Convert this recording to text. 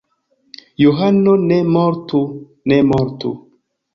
Johano ne mortu! Ne mortu!